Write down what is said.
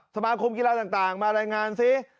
สมาคมกีฬาต่างมารายงานซิ